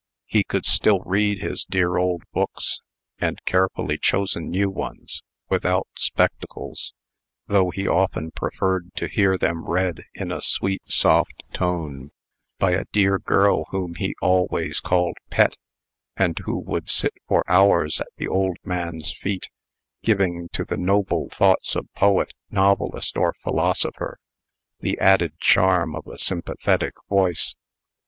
He could still read his dear old books and carefully chosen new ones without spectacles; though he often preferred to hear them read in a soft, sweet tone, by a dear girl whom he always called Pet, and who would sit for hours at the old man's feet, giving to the noble thoughts of poet, novelist, or philosopher, the added charm of a sympathetic voice.